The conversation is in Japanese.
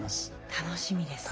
楽しみですね。